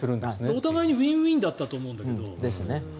お互いにウィンウィンだったと思うんですけど。